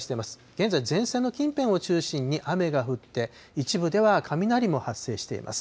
現在、前線の近辺を中心に雨が降って、一部では雷も発生しています。